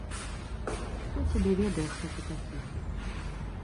Хто цябе ведае, хто ты такі.